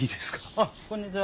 あっこんにちは。